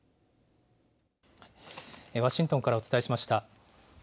ワシントンからお伝えしました。